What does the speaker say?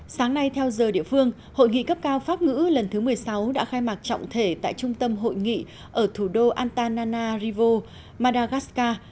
sáng nay theo giờ địa phương hội nghị cấp cao pháp ngữ lần thứ một mươi sáu đã khai mạc trọng thể tại trung tâm hội nghị ở thủ đô antana rivo madagascar